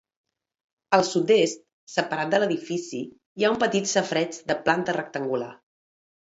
Al sud-est, separat de l'edifici, hi ha un petit safareig de planta rectangular.